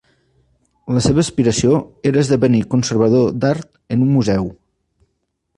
La seva aspiració era esdevenir conservador d'art en un museu.